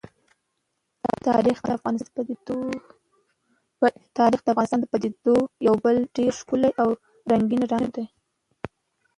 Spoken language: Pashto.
تاریخ د افغانستان د طبیعي پدیدو یو بل ډېر ښکلی او رنګین رنګ دی.